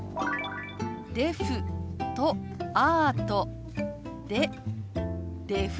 「デフ」と「アート」でデフアート。